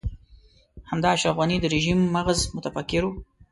همدا اشرف غني د رژيم مغز متفکر و.